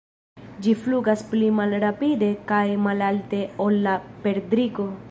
Ĝi flugas pli malrapide kaj malalte ol la perdriko.